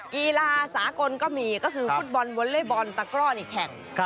กีฬาสากลก็มีก็คือฟุตบอลวอเล็กบอลตะกร่อนี่แข่ง